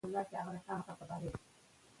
غوره والی یوازې په تقوی کې دی.